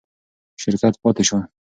شرکت پاتې شو.